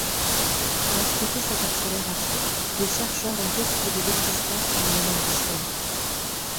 Pour expliquer cette accélération, des chercheurs ont postulé l'existence d'une énergie sombre.